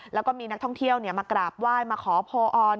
แล้วก็มีนักท่องเที่ยวมากราบไหว้มาขอโพอน